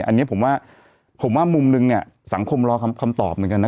อันนี้ผมว่าผมว่ามุมนึงเนี่ยสังคมรอคำตอบเหมือนกันนะ